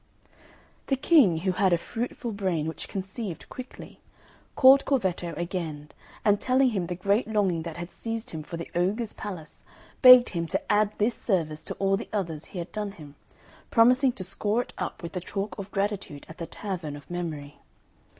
The King, who had a fruitful brain which conceived quickly, called Corvetto again, and telling him the great longing that had seized him for the ogre's palace, begged him to add this service to all the others he had done him, promising to score it up with the chalk of gratitude at the tavern of memory.